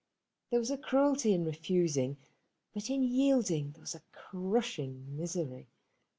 There was a cruelty in refusing, but in yielding there was a crushing misery.